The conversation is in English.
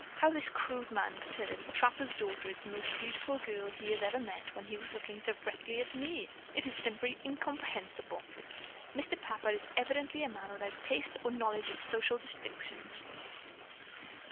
"How this crude man could say that a trapper's daughter is the most beautiful girl he has ever met when he was looking directly at me, is simply incomprehensible. Mr. Packard is evidently a man without taste or knowledge of social distinctions."